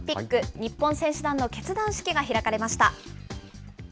日本選手団の結団式が開かれました。